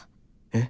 「え？